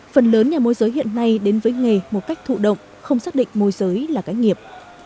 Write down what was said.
phần lớn nhà môi giới hiện nay đến với nghề một cách thụ động không xác định môi giới là cái nghiệp